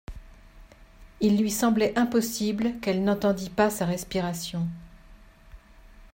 Il lui semblait impossible qu’elle n’entendît pas sa respiration.